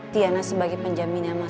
tiana sebagai penjaminnya mas avandi